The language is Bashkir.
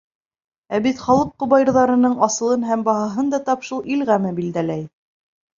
Ә бит халыҡ ҡобайырҙарының асылын һәм баһаһын да тап шул ил ғәме билдәләй.